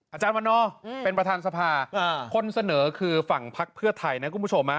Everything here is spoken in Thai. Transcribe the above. อาจารย์วันนอร์เป็นประธานสภาคนเสนอคือฝั่งพักเพื่อไทยนะคุณผู้ชม